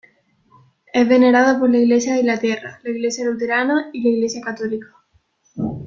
Es venerada por la Iglesia de Inglaterra, la Iglesia Luterana y la Iglesia católica.